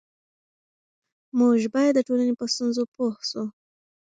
موږ باید د ټولنې په ستونزو پوه سو.